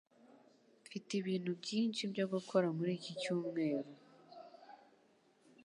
Mfite ibintu byinshi byo gukora muri iki cyumweru.